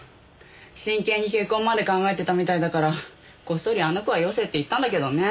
真剣に結婚まで考えてたみたいだからこっそりあの子はよせって言ったんだけどね。